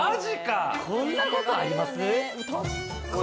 こんなことあります？